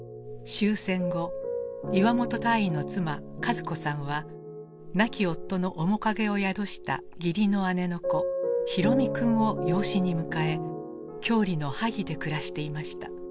終戦後岩本大尉の妻和子さんは亡き夫の面影を宿した義理の姉の子博臣君を養子に迎え郷里の萩で暮らしていました。